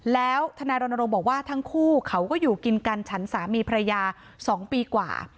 แล้วทนายรณรงค์บอกว่าทั้งคู่เขาก็อยู่กินกันฉันสามีภรรยา๒ปีกว่า